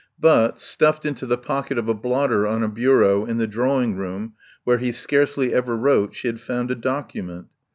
But, stuffed into the pocket of a blotter on a bureau in the drawing room where he scarcely ever wrote, she had found a document.